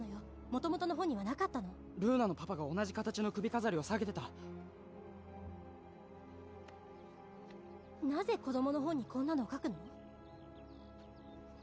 元々の本にはなかったのルーナのパパが同じ形の首飾りを下げてたなぜ子供の本にこんなのを描くの？